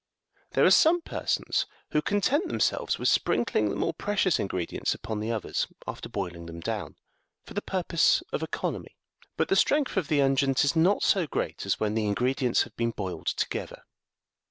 There are some persons who content themselves with sprinkling the more precious ingre dients upon the others after boiling them down, for the pur pose of economy ; but the strength of the unguent is not so great as when the ingredients have been boiled together.